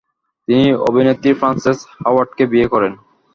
তিনি অভিনেত্রী ফ্রান্সেস হাওয়ার্ডকে বিয়ে করেন।